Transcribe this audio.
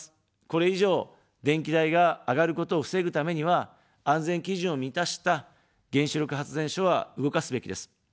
これ以上、電気代が上がることを防ぐためには、安全基準を満たした原子力発電所は動かすべきです。